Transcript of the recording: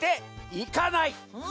いかない！